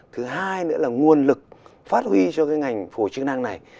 thứ hai nữa là nguồn lực phát huy cho cái ngành phù hợp chức năng này